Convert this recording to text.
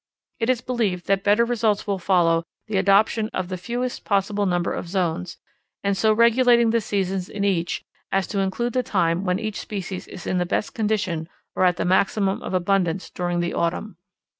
It is believed that better results will follow the adoption of the fewest possible number of zones and so regulating the seasons in each as to include the time when such species is in the best condition or at the maximum of abundance during the autumn.